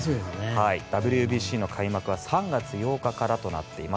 ＷＢＣの開幕は３月８日からとなっています。